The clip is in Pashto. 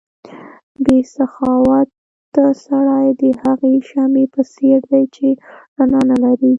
بې سخاوته سړی د هغې شمعې په څېر دی چې رڼا نه لري.